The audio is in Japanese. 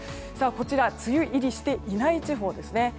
こちら梅雨入りしていない地方ですね。